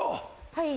はい。